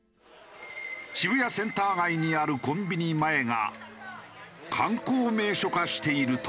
渋谷センター街にあるコンビニ前が観光名所化しているという。